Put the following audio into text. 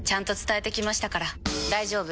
大丈夫！